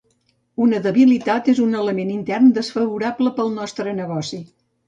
Una debilitat és un element intern desfavorable pel nostre negoci.